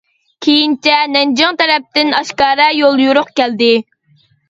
كېيىنچە، نەنجىڭ تەرەپتىن ئاشكارا يوليورۇق كەلدى.